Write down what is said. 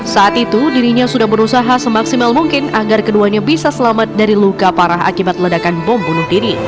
saat itu dirinya sudah berusaha semaksimal mungkin agar keduanya bisa selamat dari luka parah akibat ledakan bom bunuh diri